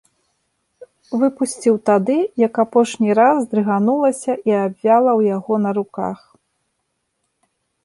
Выпусціў тады, як апошні раз здрыганулася і абвяла ў яго на руках.